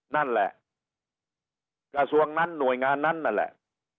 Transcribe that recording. นั่นแหละกระทรวงนั้นหน่วยงานนั้นนั่นแหละ